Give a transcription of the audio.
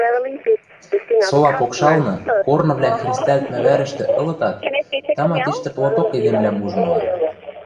Сола покшалны, корнывлӓ хрестӓлтмӹ вӓрӹштӹ ылытат, тама, тиштӹ плоток эдемвлӓм ужмыла.